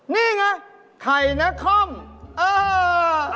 นี่ไงไข่นักท่อมเออ